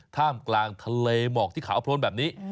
ท่ามกลางทะเลหมอกที่ขาวโพนแบบนี้